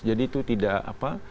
jadi itu tidak apa